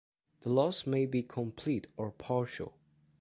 The loss may be complete or partial.